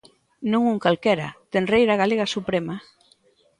Non un calquera: tenreira galega suprema.